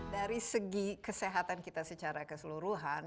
dari segi kesehatan kita secara keseluruhan